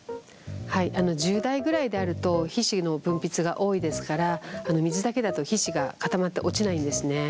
はい１０代ぐらいであると皮脂の分泌が多いですから水だけだと皮脂が固まって落ちないんですね。